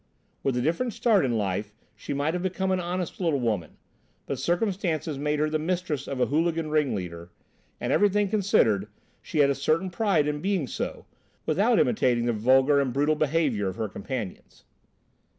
With a different start in life she might have become an honest little woman, but circumstances made her the mistress of a hooligan ring leader, and, everything considered, she had a certain pride in being so, without imitating the vulgar and brutal behaviour of her companions.